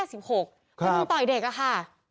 แล้วมันต่อยเด็กอ่ะค่ะ